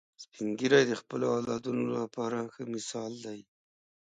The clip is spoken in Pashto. سپین ږیری د خپلو اولادونو لپاره ښه مثال دي